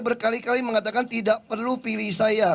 berkali kali mengatakan tidak perlu pilih saya